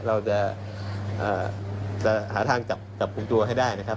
เราจะหาทางจับกลุ่มตัวให้ได้นะครับ